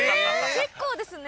結構ですね。